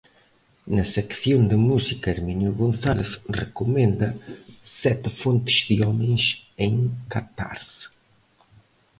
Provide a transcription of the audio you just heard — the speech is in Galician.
Na sección de música Herminio González recomenda Sete fontes de Homens en Catarse.